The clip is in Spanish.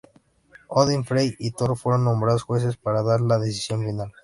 Odín, Frey y Thor fueron nombrados jueces para dar la decisión final.